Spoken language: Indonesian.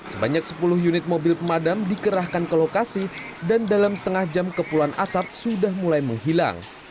sebanyak sepuluh unit mobil pemadam dikerahkan ke lokasi dan dalam setengah jam kepulan asap sudah mulai menghilang